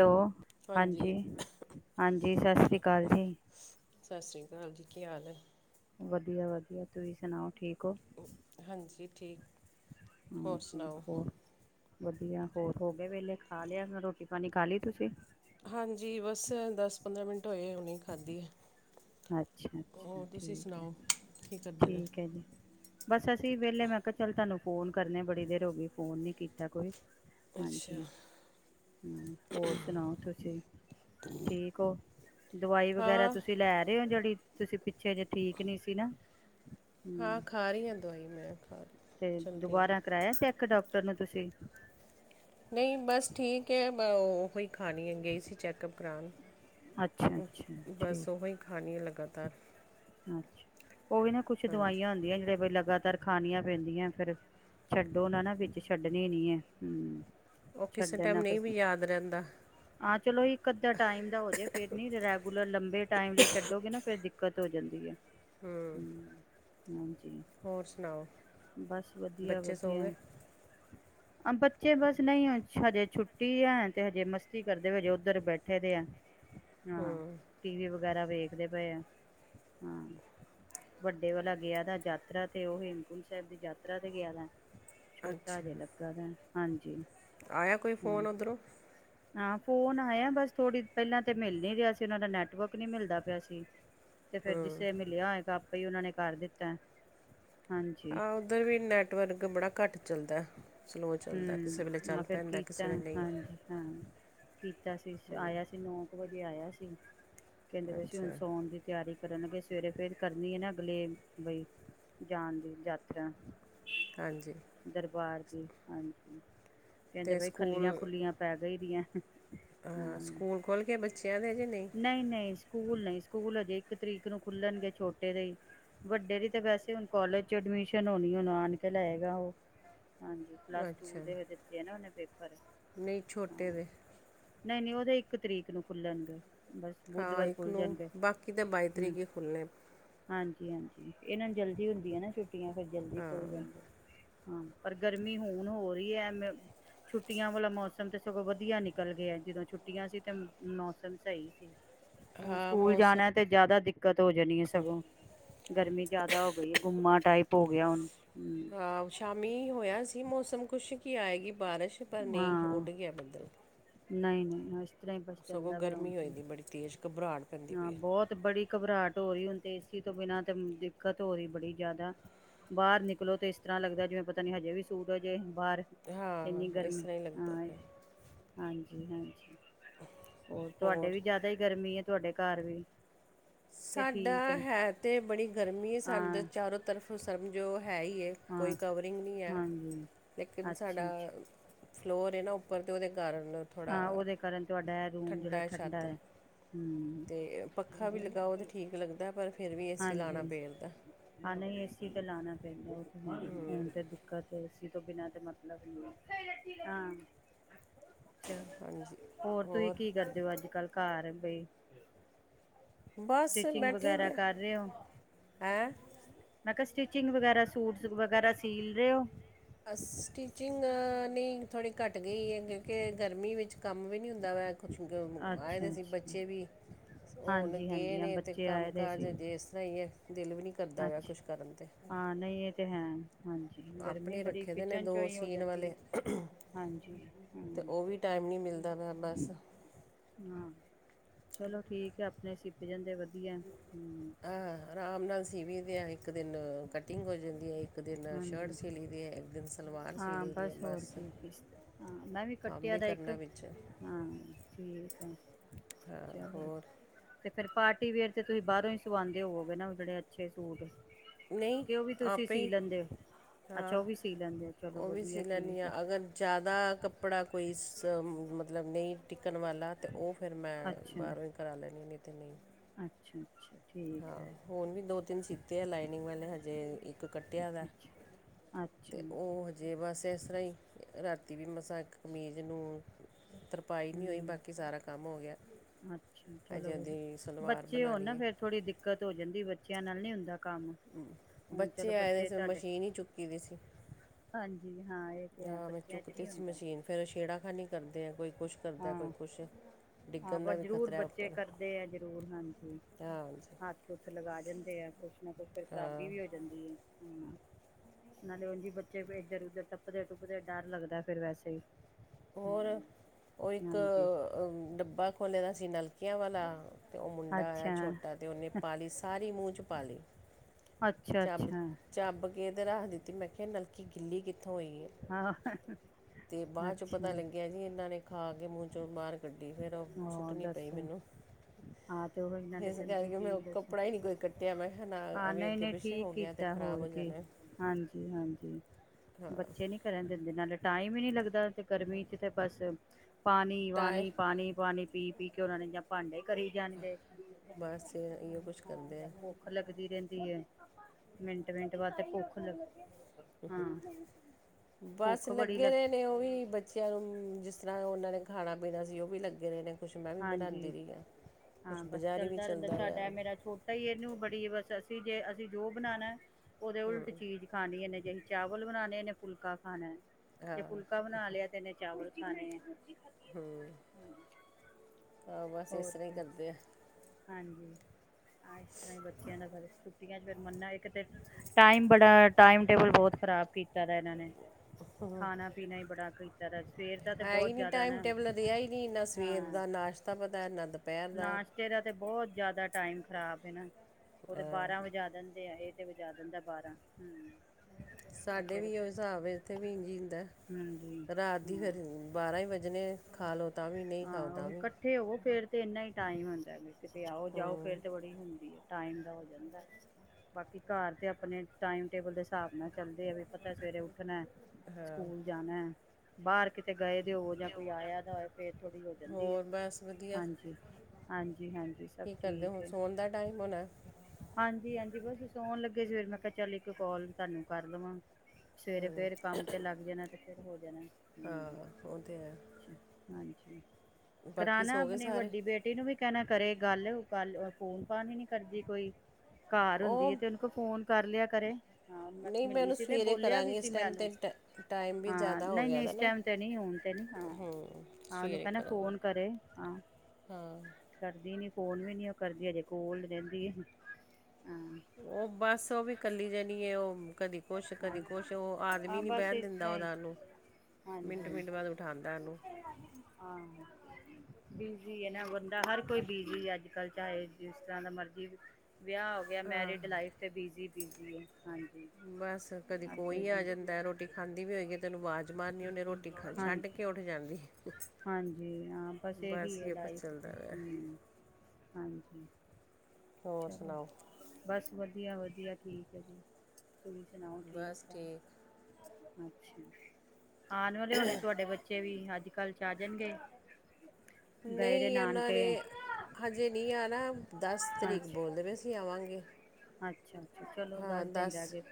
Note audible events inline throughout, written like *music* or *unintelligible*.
Hello, ਹਾਂਜੀ। ਹਾਂਜੀ, ਸਤਿ ਸ਼੍ਰੀ ਅਕਾਲ ਜੀ। ਸਤਿ ਸ਼੍ਰੀ ਅਕਾਲ ਜੀ ਕੀ ਹਾਲ ਹੈ? ਵਧੀਆ-ਵਧੀਆ। ਤੁਸੀਂ ਸੁਣਾਓ ਠੀਕ? ਹਾਂਜੀ ਠੀਕ ਹੋਰ ਹਾਂਜੀ ਸੁਣਾਓ ਹੋਰ? ਵਧੀਆ, ਹੋਰ ਹੋ ਗਏ ਵੇਲੇ? ਖਾ ਲਿਆ? ਰੋਟੀ-ਪਾਣੀ ਖਾ ਲਈ ਤੁਸੀਂ? ਹਾਂਜੀ ਬਸ। ਦਸ-ਪੰਦਰਾਂ ਮਿੰਟ ਹੋਏ। ਹੁਨੇ ਹੀ ਖਾਦੀ ਹੈ। ਅੱਛਾ-ਅੱਛਾ ਹੋਰ ਤੁਸੀਂ ਠੀਕ ਹੈ। ਸੁਣਾਓ ਕੀ ਕਰਦੇ ਠੀਕ ਪਏ ਹੈ ਜੀ। ਬਸ ਅਸੀਂ ਵੋਹਲੇ। ਮੈਂ ਕਿਹਾ ਚੱਲ ਤੁਹਾਨੂੰ ਫੋਨ ਕਰਨੇ। ਬੜੀ ਦੇਰ ਹੋ ਗਈ ਫੋਨ ਨੀ ਕੀਤਾ ਕੋਈ। ਅੱਛਾ ਹਾਂਜੀ। ਹੋਰ ਸੁਣਾਓ ਤੁਸੀਂ? ਠੀਕ ਹੋ? ਦਵਾਈ ਵਗੈਰਾ ਹਾਂ ਤੁਸੀਂ ਲੈ ਰਹੇ ਹੋ ਜਿਹੜੀ ਤੁਸੀਂ ਪਿੱਛੇਜੇ ਠੀਕ ਨੀ ਸੀ ਨਾ ਹਾਂ ਹੂੰ, ਖਾ ਰਹੀ ਹਾਂ ਦਵਾਈ ਮੈਂ ਖਾ ਰਹੀ ਤੇ ਚੱਲ ਰਹੀ ਹੈ ਦੁਬਾਰਾ ਕਰਾਇਆ ਚੈੱਕ ਡਾਕਟਰ ਨੂੰ। ਤੁਸੀੇ। ਨਹੀਂ, ਬਸ ਠੀਕ ਹੈ ਉਹੀ ਖਾਣੀ ਗਈ ਸੀ ਚੈਕਅਪ ਕਰਾਣ। ਅੱਛਾ-ਅੱਛਾ ਬਸ ਠੀਕ ਉਹਹੀ ਹੀ ਖਾਣੀ ਹੈ ਲਗਾਤਾਰ। ਅੱਛਾ ਉਹ ਵੀ ਨਾ ਕੁਛ ਹਾਂਜੀ ਦਵਾਈਆਂ ਹੁੰਦੀਆਂ ਜਿਹੜੇ ਲੱਗਾ ਤਰਖਣੀਆਂ ਪੈਂਦੀਆਂ ਫੇਿਰ ਛੱਡੋ ਨਾ-ਨਾ ਵਿੱਚ ਛੱਡਣੇ ਹੀ ਨੀ ਹੈ ਹੂੰ। ਉਹ ਕਿਸੇ ਛੱਡ ਟਾਈਮ ਨਾ ਫਿਰ ਨਹੀਂ ਵੀ ਯਾਦ ਰਹਿੰਦਾ ਆਹ ਚਲੋ ਏਕ ਅੱਧਾ ਟਾਈਮ ਦਾ ਹੋ ਜੇ ਫੇਰ ਨੀ ਰੈਗੂਲਰ ਲੰਬੇ ਟਾਈਮ ਲਈ ਛੱਡੋਗੇ ਨਾ ਫੇਿਰ ਦਿੱਕਤ ਹੋ ਜਾਂਦੀ ਹੈ। ਹੁਂ, ਹਾਂਜੀ। ਹੋਰ ਸੁਣਾਓ ਬਸ ਬੱਚੇ ਸੋ ਵਧੀਆ-ਵਧੀਆ। ਗਏ ਆ ਬੱਚੇ ਬਸ ਨਹੀਂ ਹਜੇ ਛੁੱਟੀ ਐ ਤੇ ਹਜੇ ਮਸਤੀ ਕਰਦੇ, ਹਜੇ ਉੱਧਰ ਬੈਠੇ ਦੇ ਆ। ਹਾਂ, ਟੀ ਵੀ ਵਗੈਰਾ ਵੇਖ *unintelligible* ਲੇ ਪਏ ਆਂ, ਵੱਡੇ ਵਾਲਾ ਗਿਆ ਦਾ ਯਾਤਰਾ ਤੇ ਉਹ ਵੀ ਗੁਰੂ ਸਾਹਿਬ ਦੀ ਯਾਤਰਾ ਤੇ ਗਿਆ ਆ। ਛੋਟਾ ਅਜੇ ਅੱਛਾ ਲੱਗਾ ਦਾ, ਹਾਂਜੀ, ਆਇਆ ਕੋਈ ਹੂੰ। ਫੋਨ ਉੱਧਰੋਂ ਹਾਂ ਫੋਨ ਆ ਖਾਯਾ ਬਸ ਥੋੜੀ। ਪਹਿਲਾਂ ਤੇ ਮਿਲ ਨੀ ਰਿਹਾ ਸੀ, ਉਹਨਾਂ ਦਾ ਨੈਟਵਰਕ ਨਹੀਂ ਮਿਲਦਾ ਪਿਆ ਸੀ। ਤੇ ਫੇਰ ਜਿਸ ਸੇ ਮਿਲਿਆ ਹੋਏਗਾ ਆਪੇ ਹੀ ਉਹਨਾ ਨੇ ਕਰ ਦਿੱਤਾ। ਹਾਂਜੀ। ਹਾਂ, ਉੱਧਰ ਵੀ ਨੈਟਵਰਕ ਬੜਾ ਘੱਟ ਚੱਲਦਾ। ਸਲੋ ਚੱਲਦਾ ਕਿਸੇ ਹੂੰ, ਵੇਲੇ ਹਾਂ ਚੱਲ ਫਿਰ ਪੈਂਦਾ ਕਿਸੇ ਕੀਤਾ। ਵੇਲੇ ਨਹੀਂ ਹਾਂਜੀ, ਹਾਂ। ਕੀਤਾ ਸੀ। ਆਇਆ ਸੀ ਨੌ ਕੁ ਵਜੇ ਆਇਆ ਸੀ, ਕਹਿੰਦੇ ਪਏ ਸੀ ਹੁਣ ਅੱਛਾ ਸੌਉਣ ਦੀ ਤਿਆਰੀ ਕਰਨ ਲੱਗੇ, ਸਵੇਰੇ ਫੇਰ ਕਰਨੀ ਐ ਨਾ ਅਗਲੇ ਬਈ ਜਾਣ ਦੀ ਯਾਤਰਾ। ਹਾਂਜੀ ਦਰਬਾਰ ਦੀ। ਕਹਿੰਦੇ ਅਤੇ ਬਈ ਸਕੂਲ ਖੱਲੀਆਂ-ਖੁੱਲੀਆਂ ਪੈ ਗਈ ਦੀਆਂ। ਹਾਂ, ਸਕੂਲ ਖੁੱਲ ਗਏ ਬੱਚਿਆਂ ਦੇ ਕਿ ਅਜੇ ਨਹੀਂ? ਨਹੀਂ ਸਕੂਲ ਨਹੀਂ ਸਕੂਲ ਹਜੇ ਇੱਕ ਤਰੀਕ ਨੂੰ ਖੁੱਲਣਗੇ ਛੋਟੇ ਦੇ, ਵੱਡੇ ਦੀ ਤੇ ਵੈਸੇ ਹੁਣ ਕਾਲਜ ਚ ਐਡਮਿਸ਼ਨ ਹੋਣੀ ਹੁਣ ਆਣ ਕੇ ਲਏਗਾ ਉਹ, ਹਾਂਜੀ। ਪਲੱਸ ਅੱਛਾ ਟੂ ਦੇ ਦਿੱਤੇ ਨਾ ਉਹਨੇ ਪੇਪਰ, ਨਹੀਂ ਛੋਟੇ ਹਾਂ। ਦੇ ਨਹੀਂ-ਨਹੀਂ ਉਹਦੇ ਇੱਕ ਤਰੀਕ ਨੂੰ ਖੁੱਲਣਗੇ। ਬਸ ਹਾਂ ਬੁੱਧਵਾਰ ਇੱਕ ਖੁੱਲ ਨੂੰ ਜਾਣਗੇ, ਬਾਕੀ ਤਾਂ ਬਾਈ ਤਰੀਕ ਹੂੰ, ਹੀ ਖੁੱਲ੍ਹਣੇ ਹਾਂਜੀ। ਹਾਂਜੀ, ਇਹਨਾਂ ਨੂੰ ਜਲਦੀ ਹੁੰਦੀਆਂ ਨਾ ਛੁੱਟੀਆਂ, ਫ਼ਿਰ ਜਲਦੀ ਖੁੱਲ ਜਾਣਦੇ। ਹਾਂ, ਪਰ ਗਰਮੀ ਹੁਣ ਹੋ ਰਹੀ ਐ, ਮੈਂ ਛੁੱਟੀਆਂ ਵਾਲਾ ਮੌਸਮ ਤੇ ਸਗੋਂ ਵਧੀਆ ਨਿਕਲ ਗਿਆ, ਜਦੋਂ ਛੁੱਟੀਆਂ ਸੀ ਤੇ ਮੌਸਮ ਸਹੀ ਸੀ। ਹੁਣ ਹਾਂ ਸਕੂਲ ਜਾਣਾ ਮੌਸਮ ਤੇ ਜਿਆਦਾ ਦਿਕ -ਕਤ ਹੋ ਜਾਣੀ ਏ ਸਗੋਂ, ਗਰਮੀ ਜਿਆਦਾ ਹੋ ਗਈ ਏ, ਗੁੰਮਮਾ ਟਾਈਪ ਹੋ ਗਿਆ ਹੁਣ। ਹਮ ਹਾ, ਸ਼ਾਮੀ ਹੋਇਆ ਸੀ ਮੌਸਮ, ਕੁਛ ਕੀ ਆਏਗੀ ਬਾਰਿਸ਼ ਪਰ ਨਹੀਂ ਉੱਡ ਗਿਆ ਬੱਦ ਨਹੀਂ-ਨਹੀਂ। ਇਸ ਤਰਾਂ ਹੀ ਬਸ ਸਗੋਂ ਚੱਲਦਾ ਪਿਆ ਹੁਣ ਗਰਮੀ ਹੋਈ ਤੇ। ਦੀ ਬੜੀ ਤੇਜ਼ ਘਬਰਾਹਟ ਪੈਂਦੀ ਹਾਂ, ਪਈ ਹੈ ਬਹੁਤ ਬੜੀ ਘਬਰਾਹਟ ਹੋ ਰਹੀ, ਹੁਨ ਤੇ ਏ ਸੀ ਤੋਂ ਬਿਨਾਂ ਤੇ ਦਿੱਕਤ ਹੋ ਰਹੀ ਬੜੀ ਜਿਆਦਾ। ਬਾਹਰ ਨਿਕਲੋ ਤੇ ਇਸ ਤਰ੍ਹਾਂ ਲੱਗਦਾ, ਜਿਵੇਂ ਪਤਾ ਨੀ ਹਜੇ ਵੀ ਸੂਰਜ ਏ। ਬਾਰ ਹਾਂ ਇੰਨੀ ਇਸ ਗਰਮੀ, ਤਰ੍ਹਾਂ ਹੀ ਲੱਗਦਾ ਹਾਂ ਪਿਆ ਹਾਂਜੀ ਹਾਂਜੀ। ਹੋਰ ਤੁਹਾਡੇ ਵੀ ਜ਼ਿਆਦਾ ਈ ਗਰਮੀ ਏ, ਤੁਹਾਡੇ ਘਰ ਵੀ। ਕਿ ਠੀਕ ਸਾਡਾ ਹੈ ਤੇ ਬੜੀ ਗਰਮੀ ਸਾਨੂੰ ਹਾਂ-ਹਾਂ ਚਾਰੋਂ ਤਰਫ਼ੋਂ ਸਮਝੋ ਹੈ ਈ ਏ ਕੋਈ ਕਵਰਿੰਗ ਨਹੀਂ ਏ ਹਾਂਜੀ। ਲੇਕਿਨ ਸਾਡਾ ਅੱਛਾ-ਅੱਛਾ ਫਲੋਰ ਏ ਨਾ ਉੱਪਰ ਤੇ ਉਹਦੇ ਕਾਰਨ ਹਾਂ ਥੋੜ੍ਹਾ ਉਹਦੇ ਕਾਰਨ ਤੁਹਾਡਾ ਇਹ ਰੂਮ ਜਿਹੜਾ ਠੰਡਾ ਏ ਛੱਤ। ਹੈ। ਹੂੰ ਤੇ ਪੱਖਾ ਵੀ ਲਗਾਉ ਤੇ ਠੀਕ ਲੱਗਦਾ, ਪਰ ਫਿਰ ਵੀ ਏ ਸੀ ਹਾਂਜੀ ਲਾਣਾ ਪੈਂਦਾ। ਹਾਂ, ਨਹੀਂ ਏ ਸੀ ਤੇ ਲਾਣਾ ਪੈਂਦਾ, ਹੁਣ ਤੇ ਦਿੱਕਤ ਏ ਏ ਸੀ ਤੋਂ ਬਿਨਾਂ ਤੇ ਮਤਲਬ ਹੀ ਹਾਂ *inaudible* ਹੋਰ ਤੁਸੀਂ ਕੀ ਕਰਦੇ ਹੋ, ਅੱਜ ਕੱਲ ਘਰ ਬਈ। ਬਸ ਸਟਿਚਿੰਗ ਬੈਠੇ ਵਗੈਰਾ ਦੇ ਆ ਕਰ ਰਹੇ ੳ, ਹੈਂ ਮੈਂ ਕਿਆ ਸ ਸਟਿਚਿੰਗ ਵਗੈਰਾ, ਸੂਟ ਵਗੈਰਾ ਸੀਲ ਰਹੇ ਹੋ? ਸਟੀਚਿੰਗ ਨਹੀਂ ਥੋੜ੍ਹੀ ਘੱਟ ਗਈ ਏ ਕਿਉਂਕਿ ਗਰਮੀ ਵਿੱਚ ਕੰਮ ਵੀ ਨਹੀਂ ਹੁੰਦਾ। ਹੁੰਦਾ ਵਾ ਕੁਛ *unintelligible* ਆਏ ਵੇ ਅੱਛਾ ਸੀ ਅੱਛਾ ਬੱਚੇ ਵੀ। ਓ ਹੁਣ ਹਾਂਜੀ ਗਏ ਹਾਂਜੀ ਹਾਂ ਨੇ ਤੇ ਬੱਚੇ ਆਏ ਦੇ ਕੰਮ-ਕਾਜ ਸੀ ਹਜੇ ਇਸ ਤਰ੍ਹਾਂ ਹੀ ਐ। ਅੱਛਾ, ਹਾਂ ਨਹੀਂ ਇਹ ਤੇ ਹੈ। ਹਾਂਜੀ, ਗਰਮੀ ਆਪਣੇ ਬੜੀ ਰੱਖੇ ਦੇ ਨੇ ਕਿਚਨ ਚੋਂ ਦੋ ਹੀ ਹੋ ਸੀਨ ਜਾਂਦੀ ਵਾਲੇ ਏ। ਅਤੇ ਹਾਂਜੀ, ਹੂੰ। ਉਹ ਵੀ ਟਾਈਮ ਨਹੀਂ ਮਿਲਦਾ ਵਾ ਬਸ ਹਾਂ ਚਲੋ ਠੀਕ ਏ, ਅਪਣੇ ਸਿੱਪ ਜਾਂਦੇ ਵਧ ਇਹ ਅਰਾਮ ਨਾਲ ਸੀਵੀ ਦੇ ਏਵ ਇੱਕ ਦਿਨ ਕਟਿੰਗ ਹੋ ਜਾਂਦੀ ਏ ਇੱਕ ਦਿਨ ਸ਼ਰਟ ਹਾਂਜੀ ਸੀ ਲਈ ਦੀ ਏ। ਇੱਕ ਦਿਨ ਸਲਵਾਰ ਸੀ ਹਾਂ ਲਈ ਦੀ ਏ ਹੋਰ ਬਸ। ਹਾਂ ਮੈਂ ਵੀ ਕੰਮ ਕੱਟਿਆ ਦਾ ਇੱਕ ਕਰਨਾ ਵਿੱਚ ਹਾਂ ਠੀਕ ਏ ਹੋਰ ਤੇ ਫੇਿਰ ਪਾਰਟੀ ਵੇਅਰ ਤੇ ਤੁਸੀਂ ਬਾਹਰੋਂ ਈ ਸਵਾਉਂਦੇ ਹੋਵੋਗੇ ਨਾ ਜਿਹੜੇ ਅੱਛੇ ਸੂਟ ਨਹੀਂ ਕੇ ੳਵੀ ਤੁਸੀਂ ਆਪੇ ਸੀ ਹੀ ਲੈਂਦੇ ੳ ਹਾਂ ਉਹ ਵੀ ਸੀ ਲੈਨੀ ਠੀਕ ਆ ਹੈ ਅਗਰ ਜ਼ਿਆਦਾ ਕੱਪੜਾ ਕੋਈ ਸ ਮਤਲਬ ਨਹੀ ਟਿਕਨ ਵਾਲਾ ਤੇ ਉਹ ਫਿਰ ਮੈਂ ਅੱਛਾ ਬਾਹਰੋਂ ਈ ਕਰਾ ਲੈਂਨੀ ਨਹੀਂ ਤੇ ਨਹੀਂ ਅੱਛਾ ਅੱਛਾ ਠੀਕ ਹਾਂ ਹੈ ਹੁਨ ਵੀ ਦੋ ਤਿੰਨ ਸੀਤੇ ਆ ਅੱਛਾ ਲਾਈਨਿੰਗ ਵਾਲੇ ਹਜੇ ਇੱਕ ਕੱਟਿਆ ਦਾ ਅੱਛਾ ਅੱਛਾ ਤੇ ਉਹ ਹਜੇ ਬਸ ਇਸ ਤਰ੍ਹਾਂ ਈ ਰਾਤੀ ਵੀ ਮਸਾਂ ਇੱਕ ਕਮੀਜ਼ ਨੂੰ ਤਰਪਾਈ ਨਹੀਂ ਹੋਈ ਹਮ ਬਾਕੀ ਸਾਰਾ ਕੰਮ ਹੋ ਗਿਆ ਅੱਛਾ ਅਜੇ ਚਲੋ ਉਹਦੀ ਸਲਵਾਰ ਬੱਚੇ ਹੋਨ ਬਣਾਉਣੀ ਨਾ ਹੈ ਫੇਿਰ ਥੋੜ੍ਹੀ ਦਿੱਕਤ ਹੋ ਜਾਂਦੀ ਬੱਚਿਆਂ ਨਾਲ ਨਹੀ ਹੁੰਦਾ ਚਲੋ ਆਏ ਦੇ ਬੱਚੇ ਸੀ ਤੁਹਾਡੇ ਮਸ਼ੀਨ ਹੀ ਚੁੱਕੀ ਹਾਂਜ ਹ ਮੈਂ ਚੁੱਕਤੀ ਸੀ ਮਸ਼ੀਨ ਫੇਰ ਛੇੜਾ ਖਾਨੀ ਕਰਦੇ ਆ ਕੋਈ ਕੁਸ਼ ਕਰਦਾ ਕੋਈ ਹਾਂ ਕੁਸ਼ ਹਾਂ ਡਿੱਗਣ ਪਰ ਦਾ ਵੀ ਜ਼ਰੂਰ ਖਤਰਾ ਬੱਚੇ ਉੱਪਰ ਕਰਦੇ ਆ ਜ਼ਰੂਰ ਹਾਂਜੀ ਹਾਜੀ ਹੱਥ ਲਗਾ ਜਾਂਦੇ ਆ ਕੁਸ਼ ਨਾ ਕੁਸ਼ ਫੇਰ ਖ਼ਰਾਬੀ ਹਾਂ ਵੀ ਹੋ ਜਾਂਦੀ ਏ ਨਾਲੇ ਓ ਜੀ ਬੱਚੇ ਇਧਰ ਉਧਰ ਟੱਪਦੇ ਟੁੱਪਦੇ ਡਰ ਲੱਗਦਾ ਫਿਰ ਵੈਸੇ ਈ ਹੋਰ ਉਹ ਇੱਕ ਹਾਂਜੀ ਡੱਬਾ ਖੋਲੇਆ ਦਾ ਸੀ ਨਲਕਿਆਂ ਵਾਲਾ ਤੇ ਉਹ ਮੁੰਡਾ ਆਇਆ ਅੱਛਾ ਛੋਟਾ ਤੇ ਉਹਨੇ ਪਾਲੀ ਸਾਰੀ ਮੂੰਹ 'ਚ ਪਾਲੀ ਅੱਛਾ ਚੱਬ ਅੱਛਾ ਚੱਬ ਕੇ ਤੇ ਰੱਖ ਦਿੱਤੀ ਮੈਂ ਕਿਹਾ ਨਲਕੀ ਗਿੱਲੀ ਕੀਤ ਆਹ *inaudible* ਅਤੇ ਬਾਅਦ ਚੋਂ ਪਤਾ ਲੱਗਿਆ ਜੀ ਇਹਨਾਂ ਨੇ ਖਾ ਕੇ ਮੂੰਹ ਚੋਂ ਬਾਹਰ ਕੱਢੀ ਫਿਰ ਉਹ ਹੋਰ ਸੁੱਟਣੀ ਦੱਸ ਪਈ ਮੈਨੂੰ ਆਹ ਤੇ ਉਹੀ ਨਾਲੇ ਇਸ ਗੰਦੀ ਕਰਕੇ ਮੈਂ ਚੀਜ਼ ਦੱਸ ਕੱਪੜਾ ਈ ਨੀ ਕੋਈ ਕੱਟਿਆ ਮੈਂ ਕਿਹਾ ਹਾਂ ਏਵੇਂ ਨਹੀਂ ਅੱਗੇ ਨਹੀਂ ਪਿੱਛੇ ਠੀਕ ਹੋ ਗਿਆ ਅਤੇ ਕੀਤਾ ਖਰਾਬ ਹੋਰ ਹੋ ਕੇ ਜਾਣਾ ਹਾਂਜੀ ਹਾਂਜੀ ਹਾਂ- ਬੱਚੇ ਨੀ ਕਰਨ ਨਾਲੇ ਟਾਈਮ ਈ ਨੀ ਲੱਗਦਾ ਗਰਮੀ ਚ ਤੇ ਬਸ ਪਾਨੀ ਟਾਏ ਵਾਨੀ ਪਾਨੀ ਪਾਨੀ ਪੀ ਪੀ ਕੇ ਉਹਨਾ ਨੇ ਜਾਂ ਭਾਂਡੇ ਕਰੀ ਜਾਣਗੇ ਬਸ ਇਹੋ ਕੁਛ ਕਰਦੇ ਹਾਂ ਆ ਭੁੱਖ ਲੱਗਦੀ ਰਹਿੰਦੀ ਏ ਮਿੰਟ ਮਿੰਟ ਬਾਅਦ ਤੇ ਭੁੱਖ ਲੱਗ ਹਾਂ ਬਸ ਭੁੱਖ ਬੜੀ ਲੱਗੇ ਰਹੇ ਲੱਗ ਨੇ ਉਹ ਵੀ ਬੱਚਿਆਂ ਨੂੰ ਜਿਸ ਤਰ੍ਹਾਂ ਉਹਨਾਂ ਨੇ ਖਾਣਾ ਪੀਣਾ ਸੀ ਉਹ ਵੀ ਲੱਗੇ ਰਹੇ ਨੇ ਕੁਛ ਮੈਂ ਵੀ ਹਾਂਜੀ ਬਣਾਉਂਦੀ ਰਹੀ ਹਾਂ ਕੁਛ ਹਾਂ ਬਸ ਬਜ਼ਾਰੀ ਵੀ ਚੱਲਦਾ ਰਹਿੰਦਾ ਰਿਹਾ ਸਾਡਾ ਇਹ ਮੇਰਾ ਛੋਟਾ ਇਹਨੂੰ ਬੜੀ ਬਸ ਜੇ ਅਸੀਂ ਜੋ ਬਣਾਉਣਾ ਉਹਦੇ ਉਲਟ ਚੀਜ਼ ਖਾਣੀ ਇਹਨੇ ਜੇ ਚਾਵਲ ਬਣਾਣੇ ਇਹਨੇ ਫੁਲਕਾ ਖਾਣਾ ਜੇ ਹਾਂ ਫੁਲਕਾ ਬਣਾ ਲਿਆ ਤੇ ਇਹਨੇ ਚਾਵਲ ਖਾਣੇ ਹੈ ਹਮ ਹ ਬਸ ਇਸ ਹੋਰ ਤਰ੍ਹਾਂ ਹੀ ਕੀ ਕਰਦੇ ਆ ਹਾਂ ਇਸ ਤਰ ਹੀ ਬੱਚਿਆਂ ਫ ਛੁੱਟੀਆਂ ਚ ਟਾਇਮ ਬੜਾ ਟਾਈਮ ਟੇਬਲ ਬਹੁਤ ਖਰਾਬ ਕੀਤਾ *unintelligible* ਇਹਨਾਂ ਨੇ ਖਾਣਾ ਪੀਣਾ ਹੀ ਬੜਾ ਕੀਤਾ ਦਾ ਸਵੇਰ ਦਾ ਤੇ ਹੈ ਬਹੁਤ ਹੀ ਨਹੀਂ ਜ਼ਿਆਦਾ ਟਾਈਮ ਨਾ ਟੇਬਲ ਰਿਹਾ ਹੀ ਨਾ ਸਵੇਰ ਹਾਂ ਦਾ ਨਾਸ਼ਤਾ ਪਤਾ ਨਾ ਦੁਪਹਿਰ ਦਾ ਨਾਸ਼ਤੇ ਦਾ ਤੇ ਬਹੁਤ ਜ਼ਿਆਦਾ ਟਾਈਮ ਖ਼ਰਾਬ ਹੈ ਨਾ ਉਹਦੇ ਹਾਂ। ਬਾਰਾਂ ਵਜਾ ਦਿੰਦੇ ਇਹ ਤੇ ਵਜਾ ਦਿੰਦਾ ਬਾਰਾਂ ਹੁ ਸਾਡੇ ਵੀ ਉਹ ਹਿਸਾਬ ਇੱਥੇ ਵੀ ਇੰਝ ਹੁੰਦਾ ਹਾਂਜੀ ਰਾਤ ਦੀ ਹਾਂ ਫੇਿਰ ਬਾਰਾਂ ਈ ਵਜਣੇ ਖਾ ਲੋੋ ਹਾਂ ਉਹੀ ਇਕੱਠੇ ਹੋਵੋ ਫੇਰ ਤੇ ਇੰਨਾ ਈ ਟਾਈਮ ਹੁੰਦਾ ਕਿਤੇ ਆਓ ਜਾਓ ਫੇਰ ਹੂੰ ਤੇ ਬੜੀ ਹੁੰਦੀ ਏ ਟਾਈਮ ਦਾ ਹੋ ਜਾਂਦਾ ਬਾਕੀ ਘਰ ਤੇ ਅਪਨੇ ਟਾਈਮ ਟੇਬਲ ਦੇ ਹਿਸਾਬ ਨਾਲ ਚੱਲਦੇ ਆ ਵੀ ਪਤਾ ਸਵੇਰੇੱ ੳ ੳਠਣਾ ਹਾਂ ਸਕੂਲ ਜਾਨਾ ਬਾਹਰ ਕਿਤੇ ਗਏ ਦੇ ਹੋਵੋ ਜਾਂ ਕੋਈ ਆਇਆ ਦਾ- ਫੇਰ ਥੋੜੀ ਹੋ ਜਾਂਦੀ ਹੈ ਹੋਰ ਬਸ ਵਧੀਆ ਹਾਂਜੀ ਹਾਂਜੀ -ਹਾਂਜੀ ਸਭ ਕੀ ਕਰਦੇ ਠੀਕ ਹੁਣ ਹੈ ਸੌਣ ਦਾ ਟਾਈਮ ਹੋਣਾ ਹਾਂਜੀ ਹਾਂਜੀ ਬਸ ਸੋਣ ਲੱਗੇ ਸਵੇਰ ਮੈਂ ਕਿਹਾ, ਚੱਲ ਇੱਕ ਕੋਲ ਤੁਹਾਨੂੰ ਕਰ ਦੇਵਾਂ। ਸਵੇਰੇ ਫਿਰ ਕੰਮ ਚ ਲੱਗ ਜਾਣਾ, ਤੇ ਫਿਰ ਹੋ ਜਾਣਾ। ਹਮ ਹਾਂ ਉਹ ਤੇ ਹੈ। ਹਾਂਜੀ ਬਾਕੀ ਕਰਾਣਾ ਸੋ ਗਏ ਆਪਣੀ ਸਾਰੇ ਵੱਡੀ ਬੇਟੀ ਨੂੰ ਵੀ। ਕਹਿ ਨਾ ਕਰੇ, ਗੱਲ ਗੱਲ ਫੋਨ ਫਾਨ ਹੀ ਨੀ ਕਰਦੀ ਕੋਈ ਘਰ ਹੁੰਦੀ ਉਹ ਹੈ ਤੇ ਉਹਨੂੰ ਕੋਲ ਫੋਨ ਕਰ ਲਿਆ ਕਰੇ ਹਾਂ ਮੈਂ ਨਹੀਂ ਮਿਲੀ ਉਹਨੂੰ ਸੀ, ਤੇ ਸਵੇਰੇ ਬੋਲਿਆ ਵੀ ਕਰਾਂਗੀ ਇਸ ਸੀ। ਟਾਈਮ ਮੈਂਨੂੰ ਤੇ ਟ ਟਾਈਮ ਵੀ ਹਾਂ ਜ਼ਿਆਦਾ ਹੋ ਨਹੀਂ ਗਿਆ ਨਹੀਂ ਦਾ ਇਸ ਨਾ ਟਾਈਮ ਤੇ ਨਹੀਂ ਹ ਹਾਂਾਂ! ਹੂੰ ਉਹਨੂੰ ਸਵੇਰੇ ਕਹ ਕਰਾਂਗੀ ਫੋਨ ਕਰੇ ਹਾਂ ਹਾਂ ਕਰਦੀ ਨੀ। ਫੋਨ ਵੀ ਨੀ ਉਹ ਕਰਦੀ, ਅਜੇ ਕੋਲ ਰਹਿੰਦੀ ਆ। ਉਹ ਬਸ ਉਹ ਵੀ ਕੱਲੀ ਜਣੀ ਹੈ ਉਹ ਕਦੀ ਕੁਛ ਕਦੀ ਹਾਂਜੀ ਕੁਛ, ਉਹ ਹਾਂ ਆਦਮੀ ਨੀ ਬਸ ਬਹਿਣ ਇਸ ਦਿੰਦਾ ਤਰ੍ਹਾਂ ਹੀ ਉਹਦਾ ਨੂੰ। ਮਿੰਟ ਹਾਂਜੀ ਮਿੰਟ ਬਾਅਦ ਉਠਾਉਂਦਾ ਉਹਨੂੰ ਹਾਂ। ਬੀਜੀ ਹੈ ਨਾ ਬੰਦਾ। ਹਰ ਕੋਈ ਬੀਜੀ ਅੱਜ ਕੱਲ ਚਾਹੇ ਜਿਸ ਤਰ੍ਹਾਂ ਦਾ ਮਰਜ਼ੀ। ਵਿਆਹ ਹੋ ਗਿਆ, ਹਾਂ ਮੈਰਿਡ ਲਾਈਫ ਤੇ ਬੀਜੀ ਬੀਜੀ ਹਾਂਜੀ। ਬਸ ਕਦੀ ਹਰ ਕੋਈ ਆ ਬਿਜ਼ੀ ਜਾਂਦਾ। ਰੋਟੀ ਖਾਂਦੀ ਵੀ ਹੋਏਗੀ, ਤੈਨੂੰ ਆਵਾਜ਼ ਮਾਰਨੀ ਹੇ ਰੋਟੀ ਛੱਡ ਹਾਂਜੀ ਕੇ ਉੱਠ ਜਾਂਦੀ। ਹਾਂਜੀ। ਹਾਂ ਬਸ ਇਹੀ ਹੈ ਇਹ ਕੁਛ ਲਾਈਫ ਚੱਲਦਾ ਤੇ ਹੈ ਹਮ। ਹਾਂਜੀ! ਹੋਰ ਚਲੋ ਸੁਣਾਓ ਬਸ ਵਧੀਆ ਵਧੀਆ। ਠੀਕ ਹੈ ਜੀ! ਤੁਸੀਂ ਸੁਣਾਓ ਠੀਕ ਸਾਰੇ ਅੱਛਾ ਆਉਣ ਵਾਲੇ ਹੋਣੇ ਤੁਹਾਡੇ ਬੱਚੇ ਵੀ ਅੱਜ ਕੱਲ ਚ ਆ ਜਾਣਗੇ। ਗਏ ਦੇ ਨਹੀਂ ਉਹਨਾਂ ਨੇ ਨਾਨਕੇ ਹਜੇ ਨਹੀਂ ਆ ਨਾ! ਦਸ ਤਰੀਕ ਅੱਛਾ ਬੋਲ ਦੇਵੇ ਅਸੀਂ ਆਵਾਂਗੇ। ਅੱਛਾ ਅੱਛਾ, ਚਲੋ ਦਸ ਦਿਨ ਰਹਿ ਗ।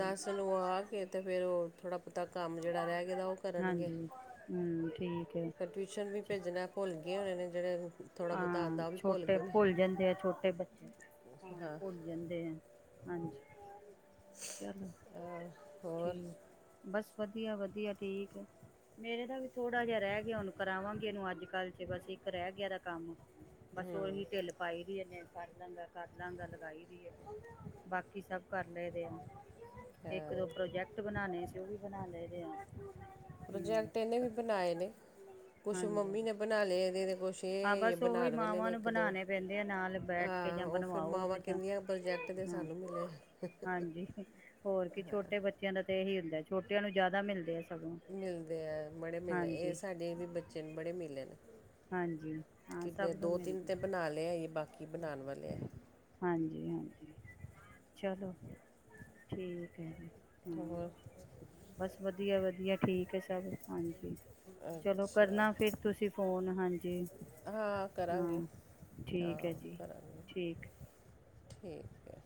ਦਸ ਨੂੰ ਆ ਕੇ, ਤੇ ਫਿਰ ਉਹ ਥੋੜਾ ਪਤਾ ਕੰਮ ਜਿਹੜਾ ਰਹਿ ਗਿਆ ਉਹ ਕਰਨਗੇ। ਹਾਂਜੀ ਹਮ! ਠੀਕ। ਹੈ ਫਿਰ ਟਿਊਸ਼ਨ ਵੀ ਭੇਜਣਾ ਭੁੱਲ ਗਏ ਹੋਣੇ, ਨੇ ਜਹੜੇ ਥੋੜਾ ਬਹੁਤਾ ਹਾਂ ਆਂਦਾ ਉਹ ਵੀ ਭੁੱਲ ਛੋਟੇ ਗਏ ਨੇ। ਜਾਂਦੇ ਆ ਛੋਟੇ ਬੱਚੇ ਹਾਂ ਭੁੱਲ ਜਾਂਦੇ ਆ। ਹਾਂਜੀ ਚਲੋ ਹਾਂ, ਹੋਰ ਠੀਕ ਬਸ। ਵਧੀਆ ਵਧੀਆ ਠੀਕ ਹੈ। ਮੇਰੇ ਦਾ ਵੀ ਥੋੜਾ ਜਿਹਾ ਰਹਿ ਗਿਆ, ਹੁਣ ਕਰਾਵਾਂਗੇ ਇਹਨੂੰ ਅੱਜ ਕੱਲ੍ਹ ਚ ਬਸ ਇੱਕ ਰਹਿ ਗਿਆ ਦਾ ਕੰਮ। ਬਸ ਉਓਹੀ ਢਿੱਲ ਪਾਈ ਵੀ ਇਹਨੇ। ਕਰ ਲਾਂਗਾ ਕਰ ਲਾਂਗਾ ਲਗਾਈ ਦੀ ਆ ਬਾਕੀ ਸਭ ਕਰ ਲਏ ਦੇਨ। ਇੱਕ ਦੋ ਪ੍ਰੋਜੈਕਟ ਬਣਾਣੇ ਸੀ ਉਹ ਵੀ ਬਣਾ ਲਏਦੇ ਆ। ਪ੍ਰੋਜੈਕਟ ਇਹਨੇ ਵੀ ਹਮ ਬਣਾਏ ਨੇ। ਕੁਛ ਹਾਂਜੀ ਮੰਮੀ ਨੇ ਬਣਾ ਲਏ। ਇਹਦੇ ਤੇ ਕੁਛ ਹਾਂ ਇਹ ਬਸ ਉਹੀ ਬਣਾਉਣ ਵਾਲੇ ਮਾਵਾਂ ਨੇ ਨੂੰ ਇੱਕ ਦੋ। ਬਣਾਣੇ ਪੈਂਦੇ ਆ ਨਾਲ ਬੈਠ ਕੇ ਹਹ! ਜਾਂ ਉਹ ਫਿਰ ਬਣਵਾਓ ਮਾਵਾਂ ਤੇ ਜਾਂ ਕਿਹਿੰਨੀਆਂ ਪ੍ਰੋਜੈਕਟ ਦੇ ਹਾਂ ਸਾਨੂੰ ਮਿਲੇ ਹ! ਹਾਂਜੀ ਹੋਰ ਕੀ ਛੋਟੇ ਬੱਚਿਆਂ ਦਾ ਤੇ ਇਹੀ ਹੁੰਦਾ ਛੋਟਿਆਂ ਨੂੰ ਜ਼ਿਆਦਾ ਮਿਲਦੇ। ਸਗੋਂ ਮਿਲਦੇ ਹੈ। ਬੜੇ ਮਿਲੇ ਇਹ ਹਾਂਜੀ ਸਾਡੇ ਵੀ ਬੱਚੇ ਨੇ ਬੜੇ ਮਿਲੇ ਨੇ। ਹਾਂਜੀ ਹਾਂ ਕਿੰਨੇ ਸਭ ਨੂੰ ਦੋ ਮਿਲ ਤਿੰਨ ਗ। ਤੇ ਬਣਾ ਲਏ ਆ ਇਹ ਬਾਕੀ ਬਣਾਉਣ ਵਾਲੇ ਆ ਹਾਂਜੀ ਹਾਂਜੀ। ਚਲੋ ਠੀਕ ਹੈ ਜੀ। ਹਮ! ਹੋਰ ਬਸ ਵਧੀਆ ਵਧੀਆ ਠੀਕ ਹੈ ਸਭ ਹਾਂਜੀ। ਚਲੋ ਅੱਛਾ ਕਰਨਾ ਫਿਰ ਤੁਸੀਂ ਫੋਨ ਹਾਂਜੀ ਹਾਂ ਹਾਂ। ਕਰਾਂਗੀ ਠੀਕ ਹਾਂ ਹੈ ਜੀ ਕਰਗੇ। ਠੀਕ। ਠੀਕ ਹੈ